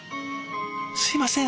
すいません